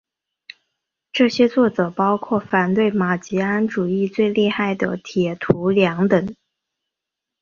这些作者包括反对马吉安主义最厉害的铁徒良等。